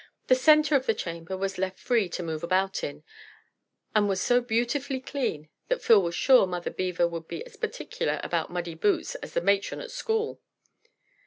The centre of the chamber was left free to move about in, and was so beautifully clean that Phil was sure Mother Beaver would be as particular about muddy boots as the matron at school.